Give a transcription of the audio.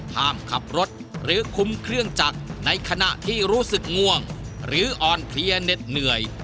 ห้ามขับรถหรือคุมเครื่องจักรในขณะที่รู้สึกง่วงหรืออ่อนเพลียเหน็ดเหนื่อย